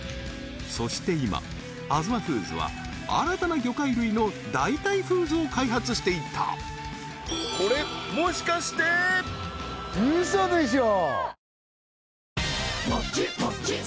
そして今あづまフーズは新たな魚介類の代替フーズを開発していたこれそれがこれですか！？